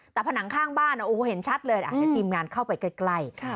แต่ผนังข้างบ้านโอ้เห็นชัดเลยอ่ะทีมงานเข้าไปใกล้ค่ะ